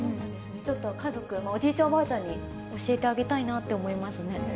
ちょっと家族、おじいちゃん、おばあちゃんに教えてあげたいなって思いますね。